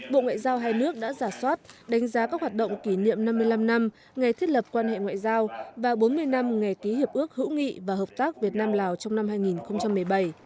bộ ngoại giao hai nước đã giả soát đánh giá các hoạt động kỷ niệm năm mươi năm năm ngày thiết lập quan hệ ngoại giao và bốn mươi năm ngày ký hiệp ước hữu nghị và hợp tác việt nam lào trong năm hai nghìn một mươi bảy